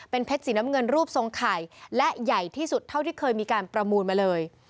เพชรสีน้ำเงินรูปทรงไข่และใหญ่ที่สุดเท่าที่เคยมีการประมูลมาเลย